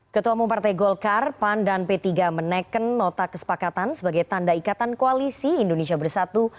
ketua mumpartai golkar pan dan p tiga menaikkan nota kesepakatan sebagai tanda ikatan koalisi indonesia bersatu